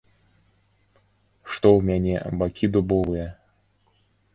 Што ў мяне, бакі дубовыя?